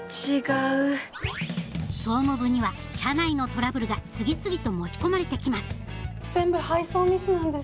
総務部には社内のトラブルが次々と持ち込まれてきます全部配送ミスなんです。